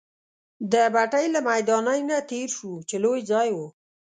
د بټۍ له میدانۍ نه تېر شوو، چې لوی ځای وو.